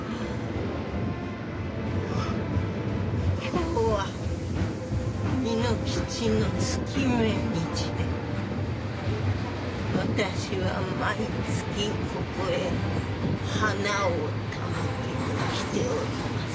今日は蓑吉の月命日で私は毎月ここへ花を手向けに来ております。